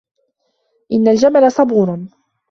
إِنَّ الْجَمَلَ صَبُورٌ.